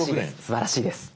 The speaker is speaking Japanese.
すばらしいです。